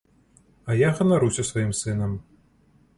А я ганаруся сваім сынам.